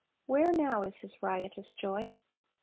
Where now is his riotous joy?